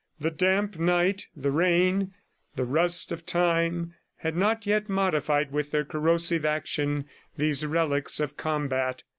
The damp night, the rain, the rust of time had not yet modified with their corrosive action these relics of combat.